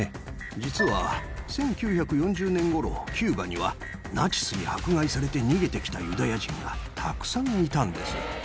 実は１９４０年頃キューバにはナチスに迫害されて逃げて来たユダヤ人がたくさんいたんです。